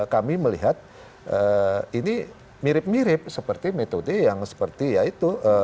kami melihat ini mirip mirip seperti metode yang seperti ya itu